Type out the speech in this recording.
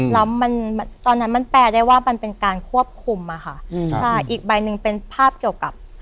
แล้วมันตอนนั้นมันแปลได้ว่ามันเป็นการควบคุมอะค่ะใช่อีกใบหนึ่งเป็นภาพเกี่ยวกับ